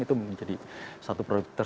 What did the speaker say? itu menjadi anggota dpr